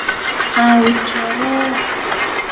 อาวุธเชื้อโรค